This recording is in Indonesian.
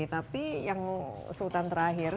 tapi yang sultan terakhir